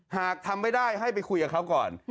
หากทำไม่ได้ให้ไปคุยกับเขาก่อน